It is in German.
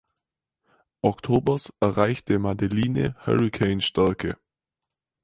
Oktobers erreichte Madeline Hurrikanstärke.